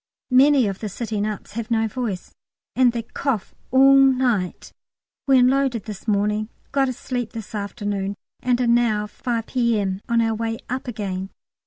Many of the sitting ups have no voice, and they cough all night. We unloaded this morning, got a sleep this afternoon, and are now, 5 P.M., on our way up again.